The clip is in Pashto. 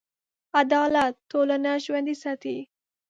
عدالت ټولنه ژوندي ساتي.